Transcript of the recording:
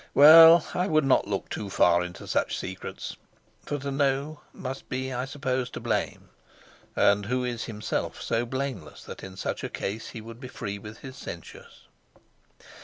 Well, I would not look too far into such secrets, for to know must be, I suppose, to blame, and who is himself so blameless that in such a case he would be free with his censures?